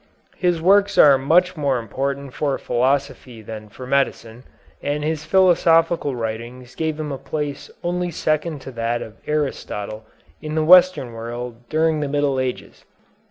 His works are much more important for philosophy than for medicine, and his philosophical writings gave him a place only second to that of Aristotle in the Western world during the Middle Ages.